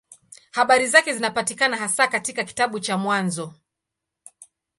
Habari zake zinapatikana hasa katika kitabu cha Mwanzo.